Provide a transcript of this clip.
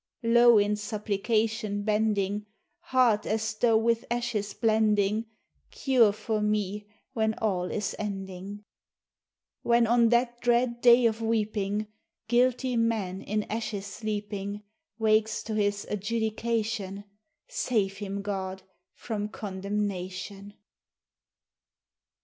Low in supplication bending. Heart as though with ashes blending; Cure for me when all is ending. When on that dread day of weeping Guilty man in ashes sleeping Wakes to his adjudication, Save him, God! from condemnation!